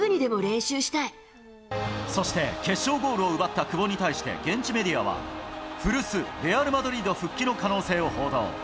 そして決勝ゴールを奪った久保に対して、現地メディアは、古巣レアル・マドリード復帰の可能性を報道。